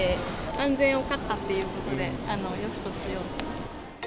安全を買ったっていうことで、よしとしようと。